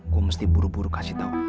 gue mesti buru buru kasih tahu ayah